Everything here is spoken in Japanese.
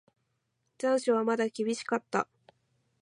残暑はまだ厳しかった。